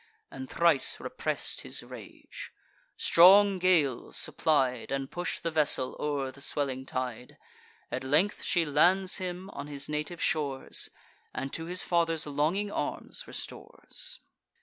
And thrice repress'd his rage; strong gales supplied, And push'd the vessel o'er the swelling tide. At length she lands him on his native shores, And to his father's longing arms restores.